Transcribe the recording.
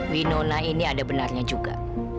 wino nona ini ada benarnya juga